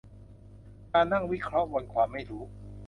การนั่งวิเคราะห์บนความไม่รู้